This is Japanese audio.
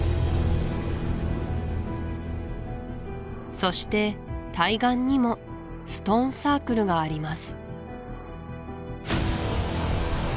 そして対岸にもストーンサークルがあります